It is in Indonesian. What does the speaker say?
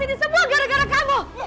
ini semua gara gara kamu